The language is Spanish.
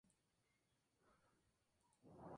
Su segundo marido es director Michael Anderson.